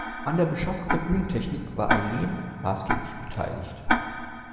An der Beschaffung der Bühnentechnik war Eileen maßgeblich beteiligt.